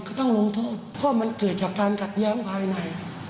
ก็ต้องลงโทษว่ามันเกิดคือการจัดย้ำวายใน